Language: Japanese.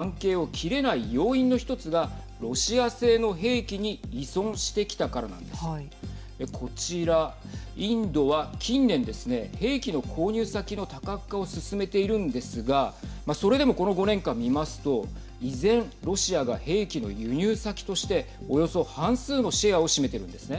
これは、なぜインドに軍事支援というのもですねインドがロシアとの関係を切れない要因の一つがロシア製の兵器に依存してきたからなんです。こちらインドは近年ですね兵器の購入先の多角化を進めているんですがそれでも、この５年間を見ますと依然ロシアが兵器の輸入先としておよそ半数のシェアを占めているんです。